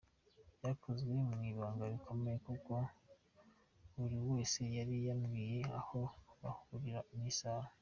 Byakozwe mu ibanga rikomeye kuko buri wese yari yabwiwe aho bahurira n’isaha.